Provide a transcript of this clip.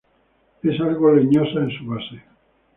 Es algo leñosa en su base.